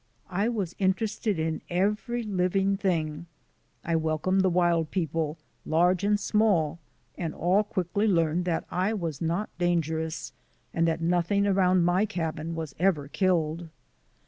I was interested in every living thing. I welcomed the wild people large and small and all quickly learned that I was not dangerous and that nothing around my cabin was ever killed.